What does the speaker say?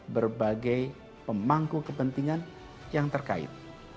berbagai pemangku kepentingan yang terkait